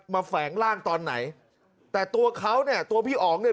แฝงร่างตอนไหนแต่ตัวเขาเนี่ยตัวพี่อ๋องเนี่ย